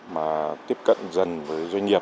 mà tiếp cận dần với doanh nghiệp